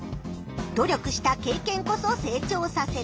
「努力した経験こそ成長させる」。